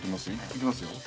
行きますよ。